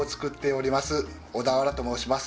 小田原と申します。